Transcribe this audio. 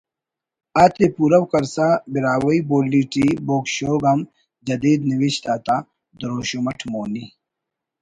آتے پورو کرسا براہوئی بولی ٹی بوگ شوگ ہم جدید نوشت آتا دروشم اٹ مونی